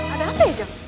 ada apa ya jem